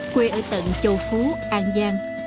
quê ở tận châu phú an giang